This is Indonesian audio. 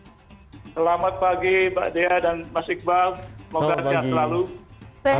selamat pagi mbak dea dan mas iqbal semoga sehat selalu